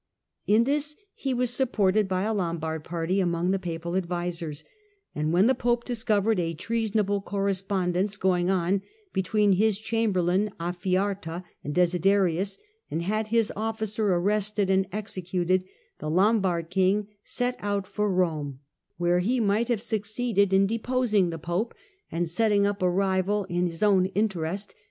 In this he was supported by a Lombard party among the Papal advisors ; and when the Pope discovered a treason able correspondence going on between his chamberlain Afiarta and Desiderius, and had his officer arrested and executed, the Lombard king set out for Kome, where CHARLES THE GREAT AND LOMBARD KINGDOM 149 he might have succeeded in deposing the Pope and setting up a rival in his own interest.